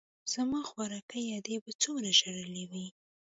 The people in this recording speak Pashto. زما خواركۍ ادې به څومره ژړلي وي.